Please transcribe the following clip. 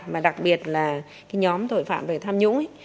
mà đặc biệt là cái nhóm tội phạm về tham nhũng